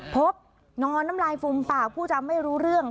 พบนอนน้ำลายฟูมปากผู้จำไม่รู้เรื่อง